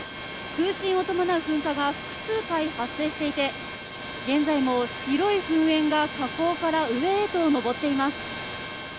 空振を伴う噴火が複数回発生していて現在も白い噴煙が火口から上へと上っています。